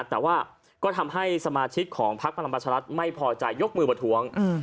แต่ว่าก็ทำให้สมาชิกของพักพลังประชารัฐไม่พอใจยกมือประท้วง